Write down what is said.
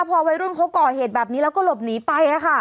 พอวัยรุ่นเขาก่อเหตุแบบนี้แล้วก็หลบหนีไป